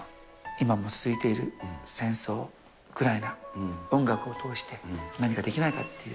今も続いている戦争、ウクライナ、音楽を通して、何かできないかっていう。